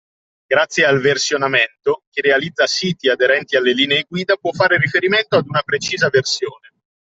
Grazie al versionamento, chi realizza siti aderenti alle linee guida può fare riferimento ad una precisa versione